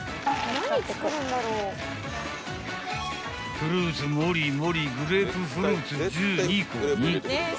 ［フルーツもりもりグレープフルーツ１２個に］